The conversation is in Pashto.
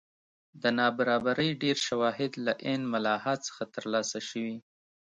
د نابرابرۍ ډېر شواهد له عین ملاحا څخه ترلاسه شوي.